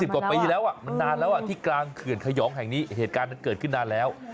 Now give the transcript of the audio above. กว่าปีแล้วมันนานแล้วที่กลางเขื่อนขยองแห่งนี้เหตุการณ์มันเกิดขึ้นนานแล้ว